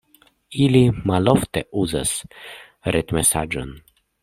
Ili malofte uzas retmesaĝon.